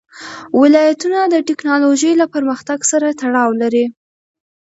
ولایتونه د تکنالوژۍ له پرمختګ سره تړاو لري.